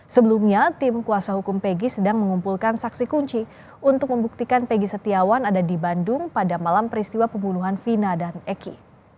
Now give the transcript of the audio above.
sebelumnya tim kuasa hukum pegg sedang mengumpulkan saksi kunci untuk membuktikan peggy setiawan ada di bandung pada malam peristiwa pembunuhan vina dan eki